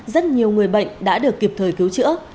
rất nhiều người bệnh đã được kịp thời cứu chữa